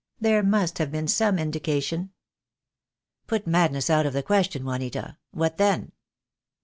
There must have been some indication." "Put madness out of the question, Juanita, what then?"